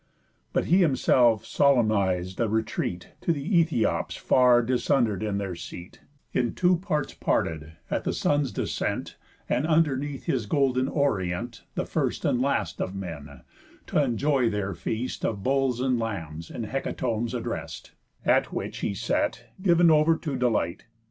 But he himself solemniz'd a retreat To th' Æthiops, far dissunder'd in their seat, (In two parts parted, at the sun's descent, And underneath his golden orient, The first and last of men) t' enjoy their feast Of bulls and lambs, in hecatombs addrest; At which he sat, giv'n over to delight.